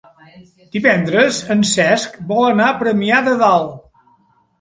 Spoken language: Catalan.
Divendres en Cesc vol anar a Premià de Dalt.